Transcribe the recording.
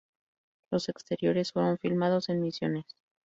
Los exteriores fueron filmados en Misiones.